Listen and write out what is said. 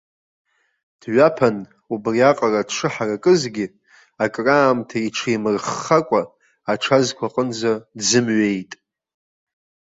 Дҩаԥан, убриаҟара дшыҳаракызгьы, акраамҭа иҽимырххакәа, аҽы азқәа аҟынӡа дзымҩеит.